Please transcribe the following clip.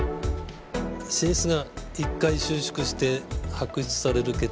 心室が１回収縮して拍出される血液量